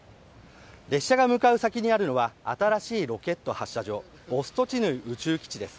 列車が向かう先にあるのは新しいロケット発射場ボストチヌイ宇宙基地です。